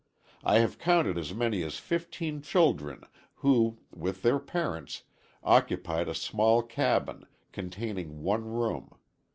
I have counted as many as fifteen children, who, with their parents, occupied a small cabin, containing one room.